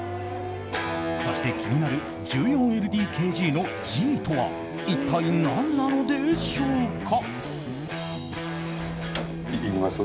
そして気になる１４ＬＤＫＧの「Ｇ」とは一体、何なのでしょうか？